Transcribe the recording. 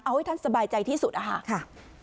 เอาให้ท่านสบายใจที่สุดนะคะ